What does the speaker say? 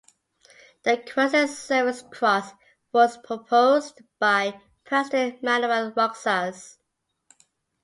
The Quezon Service Cross was proposed by President Manuel Roxas.